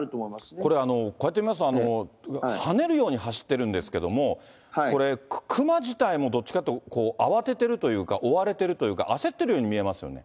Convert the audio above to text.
これ、こうやって見ますと跳ねるように走ってるんですけど、これ、熊自体も、どっちかというと慌ててるというか、追われてるというか、焦ってるように見えますよね。